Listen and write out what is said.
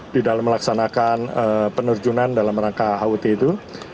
di dalam melaksanakan penerjunan dalam rangka hut itu